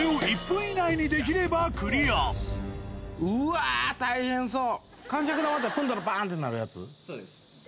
うわぁ、大変そう。